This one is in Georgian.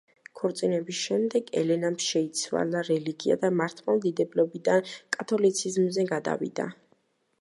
ქორწინების შემდეგ ელენამ შეიცვალა რელიგია და მართლმადიდებლობიდან კათოლიციზმზე გადავიდა.